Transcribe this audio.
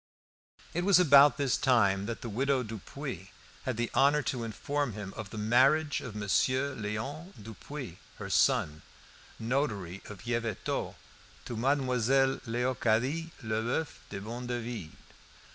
It was about this time that the widow Dupuis had the honour to inform him of the "marriage of Monsieur Léon Dupuis her son, notary at Yvetot, to Mademoiselle Leocadie Leboeuf of Bondeville."